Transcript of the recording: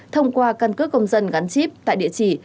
thông qua căn cước công dân gắn chip tại địa chỉ